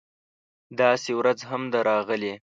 داسې ورځ هم ده راغلې